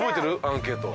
アンケート。